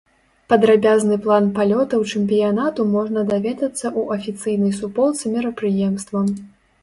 Падрабязны план палётаў чэмпіянату можна даведацца ў афіцыйнай суполцы мерапрыемства.